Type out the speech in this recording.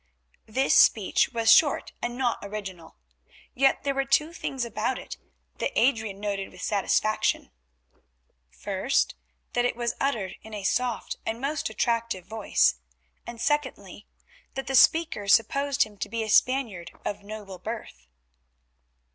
This speech was short and not original. Yet there were two things about it that Adrian noted with satisfaction; first, that it was uttered in a soft and most attractive voice, and secondly, that the speaker supposed him to be a Spaniard of noble birth.